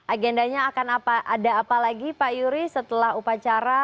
agendanya akan apa ada apa lagi pak yuri setelah upacara